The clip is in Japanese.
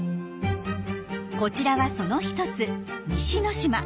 こちらはその一つ西之島。